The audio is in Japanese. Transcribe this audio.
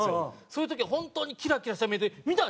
そういう時は本当にキラキラした目で「見た？